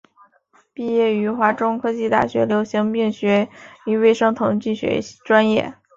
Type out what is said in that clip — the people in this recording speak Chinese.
毕业于华中科技大学流行病学与卫生统计学专业。